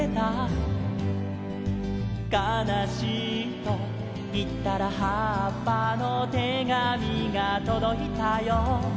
「かなしいといったらはっぱの手紙がとどいたよ」